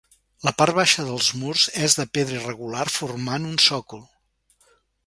La part baixa dels murs és de pedra irregular formant un sòcol.